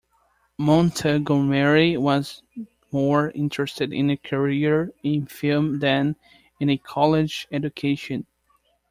Montgomery was more interested in a career in film than in a college education.